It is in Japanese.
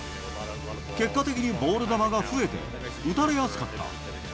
結果的にボール球が増えて、打たれやすかった。